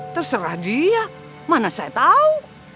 terserah dia mana saya tahu